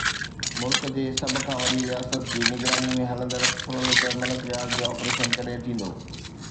ملڪ جي سڀ کان وڏي رياست جي نگراني ۾ هلندڙ ڦرلٽ ملڪ رياض جو آپريشن ڪڏهن ٿيندو؟